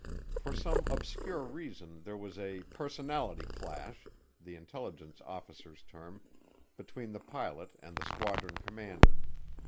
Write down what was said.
For some obscure reason there was a "personality clash," the intelligence officer's term, between the pilot and the squadron commander.